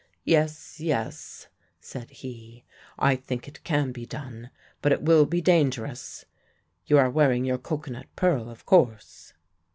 Yes, yes,' said he, 'I think it can be done; but it will be dangerous. You are wearing your cocoanut pearl, of course?'